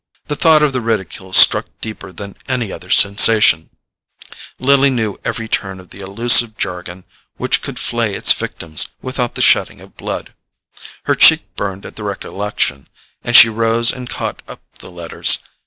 The thought of the ridicule struck deeper than any other sensation: Lily knew every turn of the allusive jargon which could flay its victims without the shedding of blood. Her cheek burned at the recollection, and she rose and caught up the letters.